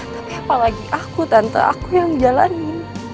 tapi apalagi aku tante aku yang menjalani